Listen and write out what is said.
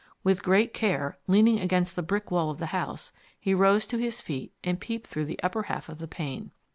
With great care, leaning against the brick wall of the house, he rose to his feet and peeped through the upper half of the pane.